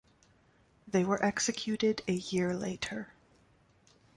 They were executed a year later.